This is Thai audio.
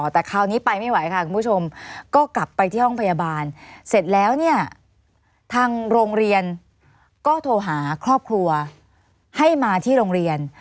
แต่คราวนี้ไปไม่ไหวค่ะคุณผู้ชมก็กลับไปที่ห้องพยาบาลเสร็จแล้วเนี่ยทางโรงเรียนก็โทรหาครอบครัวให้มาที่โรงเรียน